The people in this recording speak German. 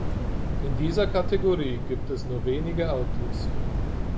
In dieser Kategorie gibt es nur wenige Autos.